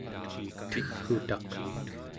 tegg'utaq